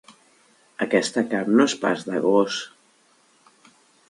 Aquesta carn no és pas de gos.